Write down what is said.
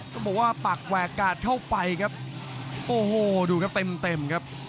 ก็บอกว่าปักแวร์การ์ดเข้าไปครับโอ้โหดูครับเต็มครับ